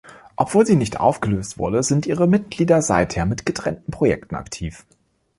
Obwohl sie nicht aufgelöst wurde, sind ihre Mitglieder seither mit getrennten Projekten aktiv.